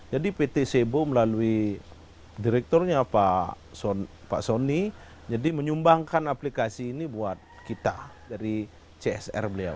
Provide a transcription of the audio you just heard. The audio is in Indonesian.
jadi pt sebo melalui direkturnya pak sony jadi menyumbangkan aplikasi ini buat kita dari csr beliau